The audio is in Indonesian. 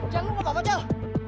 jangan lupa pak jal